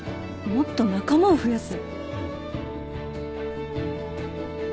もっと仲間を増やす？